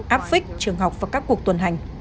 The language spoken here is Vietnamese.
áp phích trường học và các cuộc tuần hành